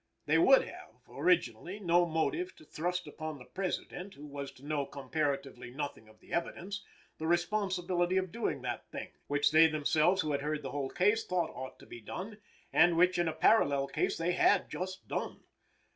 They would have, originally, no motive to thrust upon the President, who was to know comparatively nothing of the evidence, the responsibility of doing that thing, which they themselves who had heard the whole case thought ought to be done, and which in a parallel case they had just done.